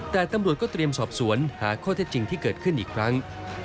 แต่ตำรวจก็เตรียมสอบสวนหาข้อเท็จจริงที่เกิดขึ้นอีกครั้ง